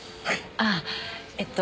ああえっと